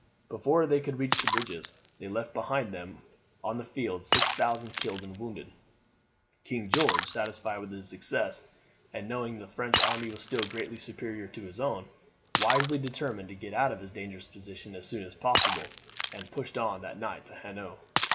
Before they could reach the bridges they left behind them on the field six thousand killed and wounded. King George, satisfied with his success, and knowing that the French army was still greatly superior to his own, wisely determined to get out of his dangerous position as soon as possible, and pushed on that night to Hanau.